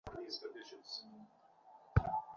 তোমার কথাই ঠিক হবে।